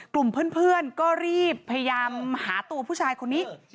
กลุ่มเพื่อนก็รีบพยายามหาตัวผู้ชายคนนี้